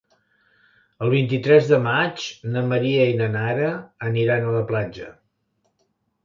El vint-i-tres de maig na Maria i na Nara aniran a la platja.